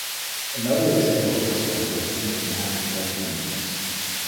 Another example of this are the weapons of the Mass Effect universe.